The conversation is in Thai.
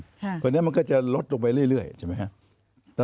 เพราะฉะนั้นมันก็จะลดลงไปเรื่อยใช่ไหมครับ